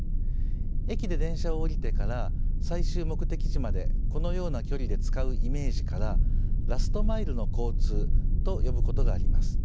駅で電車を降りてから最終目的地までこのような距離で使うイメージからラストマイルの交通と呼ぶことがあります。